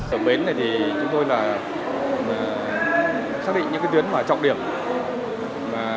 tổng bến này thì chúng tôi là xác định những cái tuyến mà trọng điểm